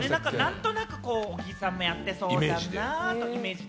何となく小木さんがやってそうだなというイメージで。